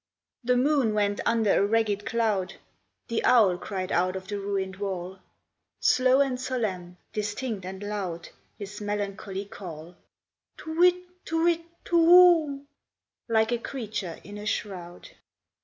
The moon went under a ragged cloud, The owl cried out of the ruined wall, Slow and solemn, distinct and loud, His melancholy call: Tu whit, tu whit, tu whoo! Like a creature in a shroud.